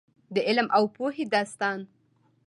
د علم او پوهې داستان.